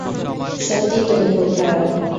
সত্যিই তুমি খুব খারাপ।